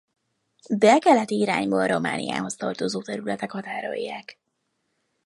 Délkeleti irányból Romániához tartozó területek határolják.